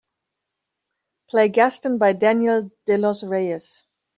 Play Gaston by Daniel De Los Reyes.